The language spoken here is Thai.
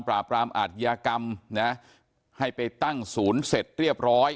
รามอาทยากรรมนะให้ไปตั้งศูนย์เสร็จเรียบร้อย